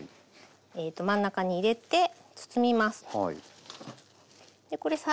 えっと真ん中に入れて包みます。